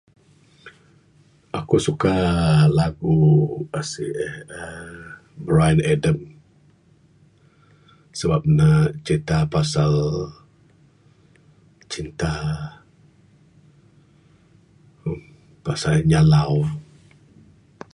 Aku suka lagu asih uhh uhh Bryan Adam sebab nuh cirita pasal cinta pasal nyalau.